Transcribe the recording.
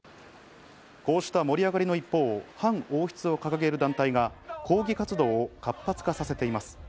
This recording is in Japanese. こうした盛り上がりの一方、反王室を掲げる団体が抗議活動を活発化させています。